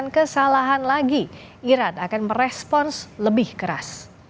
kesalahan lagi iran akan merespons lebih keras